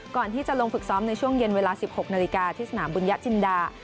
ก่อนที่จะลงฝึกซ้อมในช่วงเย็นเวลา๑๖นาฬิกาที่สนามบุญญะจินดา